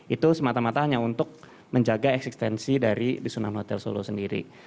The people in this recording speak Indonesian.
itu semata matanya untuk menjaga eksistensi dari sunan hotel solo sendiri